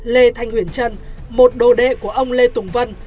lê thanh huyền trân một đồ đệ của ông lê tùng vân